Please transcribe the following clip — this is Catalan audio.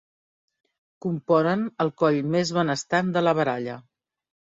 Componen el coll més benestant de la baralla.